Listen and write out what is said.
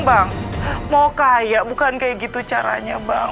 bang mau kaya bukan kayak gitu caranya bang